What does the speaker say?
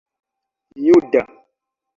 juda